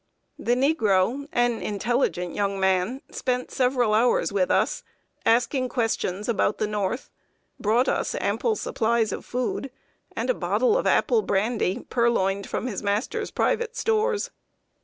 The negro an intelligent young man spent several hours with us, asking questions about the North, brought us ample supplies of food, and a bottle of apple brandy purloined from his master's private stores.